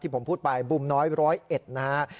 ที่ผมพูดไปบุ้มน้อยร้อยเอ็ดนะฮะ